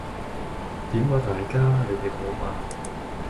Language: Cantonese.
點啊大家，你哋好嗎？